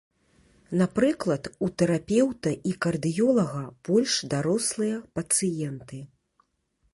Напрыклад, у тэрапеўта і кардыёлага больш дарослыя пацыенты.